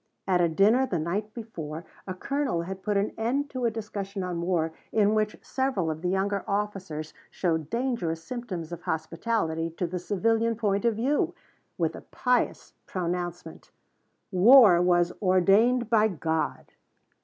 At a dinner the night before a colonel had put an end to a discussion on war, in which several of the younger officers showed dangerous symptoms of hospitality to the civilian point of view, with the pious pronouncement: "War was ordained by God."